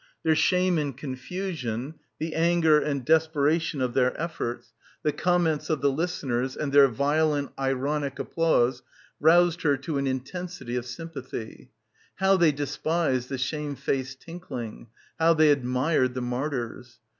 Their shame and confusion, the anger — 189 — PILGRIMAGE and desperation of their efforts, the comments of the listeners and their violent ironic applause roused her to an intensity of sympathy. How they despised the shame faced tinkling; how they admired the martyrs.